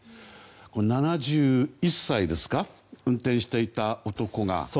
７１歳ですか運転していた男が。